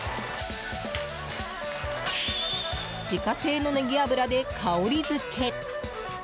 自家製のネギ油で香りづけ。